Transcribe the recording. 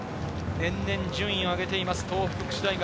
年々順位を上げています、東北福祉大学。